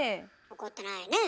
怒ってないねぇ。